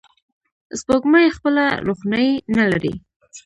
سپوږمۍ خپله روښنایي نه لري